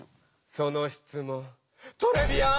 そのしつもんトレビアーン！